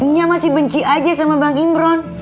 nyak masih benci aja sama bang imran